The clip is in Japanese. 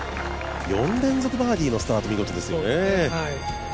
４連続バーディーのスタートは見事ですよね。